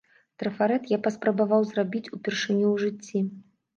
Трафарэт я паспрабаваў зрабіць упершыню ў жыцці.